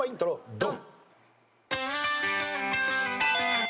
ドン！